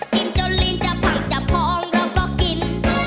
กินจนลิ้นจะผักจับพองเราก็กิน